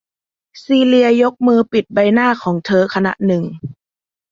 ซีเลียยกมือปิดใบหน้าของเธอขณะหนึ่ง